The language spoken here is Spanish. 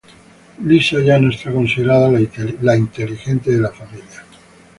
Lisa ya no es considerada "la inteligente" de la familia Simpson.